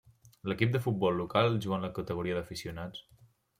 L'equip de futbol local juga en la categoria d'aficionats.